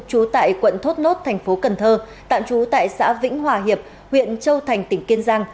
trú tại quận thốt nốt thành phố cần thơ tạm trú tại xã vĩnh hòa hiệp huyện châu thành tỉnh kiên giang